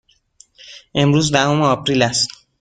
امروز دهم آپریل است.